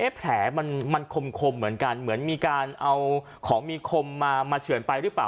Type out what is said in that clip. แผลมันคมเหมือนกันเหมือนมีการเอาของมีคมมาเฉื่อนไปหรือเปล่า